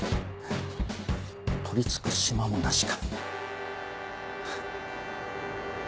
取り付く島もなしか。